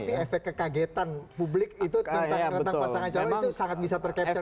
tapi efek kekagetan publik itu tentang pasangan jokowi itu sangat bisa tercapture dari itu ya